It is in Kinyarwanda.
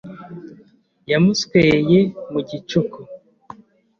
Yamusweye mu gicuku.